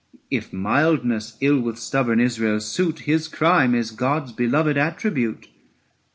If mildness ill with stubborn Israel suit, His crime is God's beloved attribute.